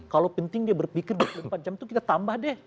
kalau penting dia berpikir dua puluh empat jam itu kita tambah deh